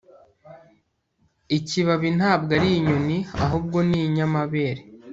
Ikibabi ntabwo ari inyoni ahubwo ni inyamabere